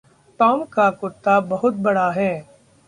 Tom का कुत्ता बहुत बड़ा है।